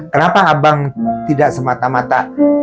kenapa abang tidak semata mata